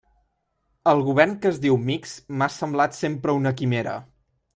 El govern que es diu mixt m'ha semblat sempre una quimera.